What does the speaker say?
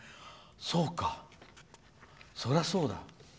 そうか、そりゃそうだ。